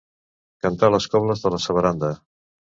Cantar les cobles de la Sarabanda.